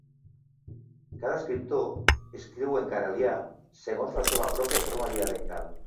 Cada escriptor escriu en carelià segons la seva pròpia forma dialectal.